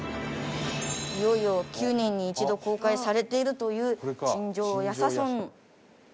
いよいよ９年に一度公開されているという鎮将夜叉尊。